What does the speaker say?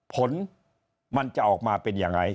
ผลมันจะออกมาเป็นยังไง